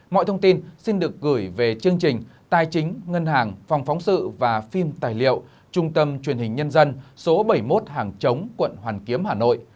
mọi thông tin xin được gửi về chương trình tài chính ngân hàng phòng phóng sự và phim tài liệu trung tâm truyền hình nhân dân số bảy mươi một hàng chống quận hoàn kiếm hà nội